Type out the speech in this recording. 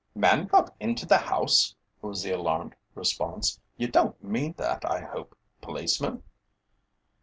"Man got into the house?" was the alarmed response. "You don't mean that, I hope, policeman?"